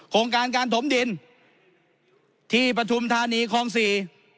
โครงการการถมดินที่ปฐุมธานีคลองสี่